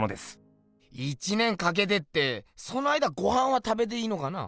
１年かけてってその間ごはんは食べていいのかな？